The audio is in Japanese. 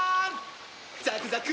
ザクザク！